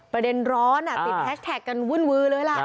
ประเด็นร้อนติดแฮชแท็กกันวุ่นือเลยล่ะ